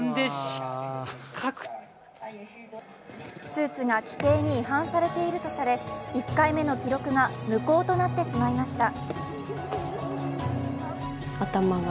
スーツが規定に違反されているとされ１回目の記録が無効となってしまいました。